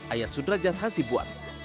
ayat sudrajat hasyibuat